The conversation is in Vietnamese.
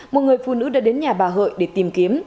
một người phụ nữ đã đến nhà bà hợi để tìm kiếm